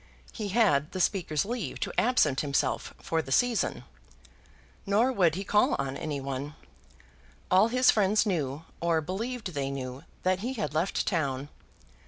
He had the Speaker's leave to absent himself for the season. Nor would he call on anyone. All his friends knew, or believed they knew, that he had left town.